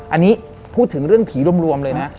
อันนี้พูดถึงเรื่องผีรวมเลยนะ